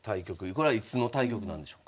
これはいつの対局なんでしょうか。